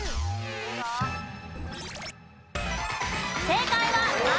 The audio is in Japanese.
正解は「丸」。